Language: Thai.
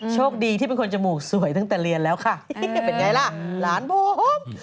โชคดีที่เป็นคนจมูกสวยตั้งแต่เรียนแล้วค่ะเป็นไงล่ะหลานผม